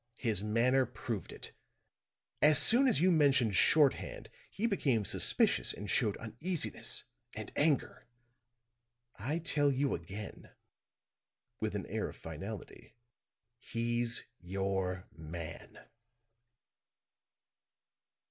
His manner proved it. As soon as you mentioned shorthand he became suspicious and showed uneasiness and anger. I tell you again," with an air, of finality, "he's your man."